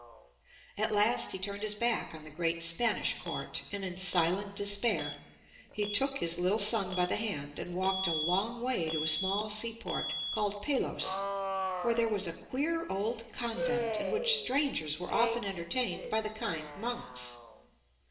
At last he turned his back on the great Spanish court, and in silent despair, he took his little son by the hand and walked a long way to a small seaport called Palos, where there was a queer old convent, in which strangers were often entertained by the kind monks.